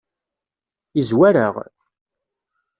Yezwar-aɣ?